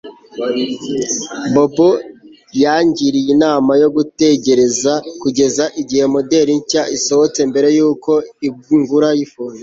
Bobo yangiriye inama yo gutegereza kugeza igihe moderi nshya isohotse mbere yuko ngura iPhone